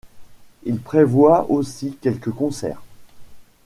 Ils prévoient aussi quelques concerts.